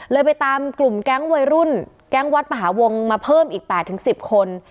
ไปตามกลุ่มแก๊งวัยรุ่นแก๊งวัดมหาวงมาเพิ่มอีก๘๑๐คน